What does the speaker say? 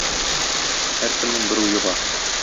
Һәркемнең бер уе бар.